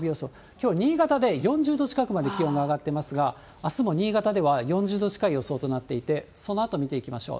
きょう、新潟で４０度近くまで気温が上がっていますが、あすも新潟では４０度近い予想となっていて、そのあと見ていきましょう。